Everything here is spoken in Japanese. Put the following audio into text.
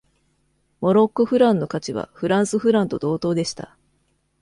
モロッコフランの価値はフランスフランと同等でした。